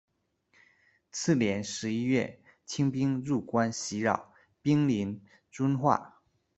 次年十一月，清兵入关袭扰，兵临遵化。